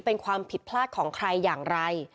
เป็นความผิดพลาดของใครอย่างไร